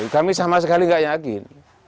kami sama sekali tidak yakin